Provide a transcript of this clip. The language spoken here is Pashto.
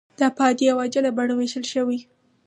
دا په عادي او عاجله بڼه ویشل شوې.